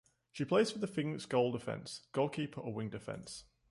She plays for the Phoenix goal defence, goal keeper or wing defence.